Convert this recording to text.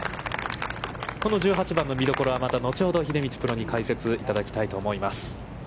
この１８番の見どころは後ほど秀道プロに解説いただきたいと思います。